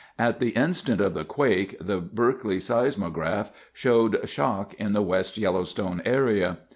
At the instant of the quake, the Berkeley seismograph showed shock in the West Yellowstone area.